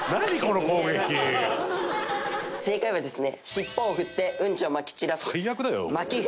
正解はですね。